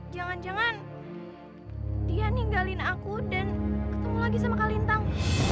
jangan jangan dia ninggalin aku dan ketemu lagi sama kalintang